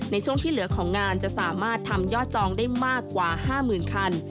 ในช่วงที่เหลือของงานจะสามารถทำยอดจองได้มากกว่า๕๐๐๐คัน